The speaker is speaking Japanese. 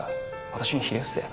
「私にひれ伏せ」。